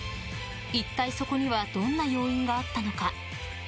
一体、そこにはどんな要因があったのか。